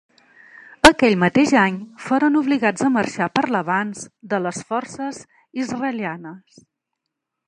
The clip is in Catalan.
Aquell mateix any foren obligats a marxar per l'avanç de les forces israelianes.